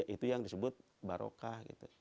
itu yang disebut barokah gitu